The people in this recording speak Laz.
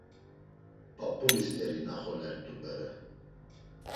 P̌up̌uli st̆eri naxolert̆u bere.